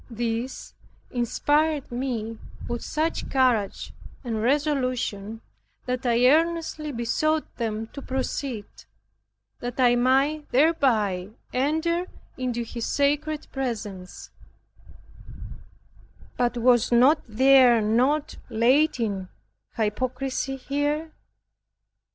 This inspired me with such courage and resolution, that I earnestly besought them to proceed, that I might thereby enter into His sacred presence, but was there not latent hypocrisy here?